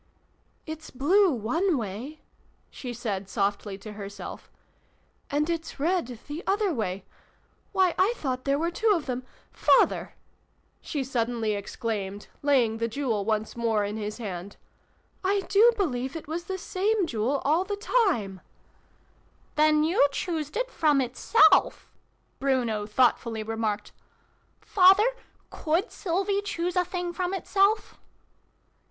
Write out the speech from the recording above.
"It's blue, one way," she said softly to herself, " and it's red, the other way ! Why, I thought there were two of them Father !" she sud denly exclaimed, laying the Jewel once more in his hand, " I do believe it was the same Jewel all the time !" 4 io SYLVIE AND BRUNO CONCLUDED. " Then you choosed it from itself" Bruno thoughtfully remarked. " Father, could Sylvie choose a thing from itself